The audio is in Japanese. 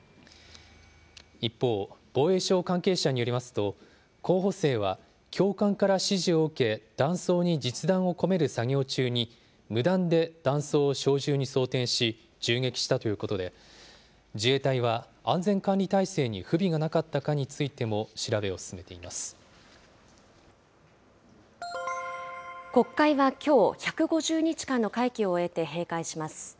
一方、防衛省関係者によりますと、候補生は教官から指示を受け、弾倉に実弾を込める作業中に、無断で弾倉を小銃に装填し、銃撃したということで、自衛隊は安全管理態勢に不備がなかったかについても調べを進めて国会はきょう、１５０日間の会期を終えて閉会します。